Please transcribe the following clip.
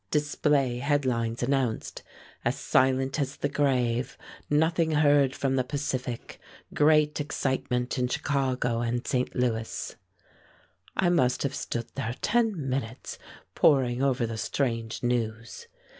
"Display" headlines announced, "As Silent as the Grave; Nothing Heard from the Pacific. Great Excitement in Chicago and St. Louis." I must have stood there ten minutes poring over the strange news.